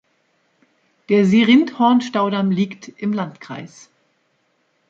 Der Sirindhorn-Staudamm liegt im Landkreis.